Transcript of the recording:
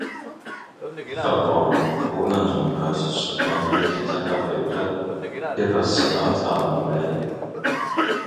Pifagoryň bu ynanjyna garşy çykýan ýeke-täk hakykat irrasional sanlar däldi.